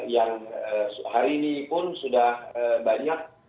yang hari ini pun sudah banyak